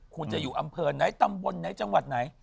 คุณจะอยู่อำเภอไหนตำบลไหนจังหวัดไหน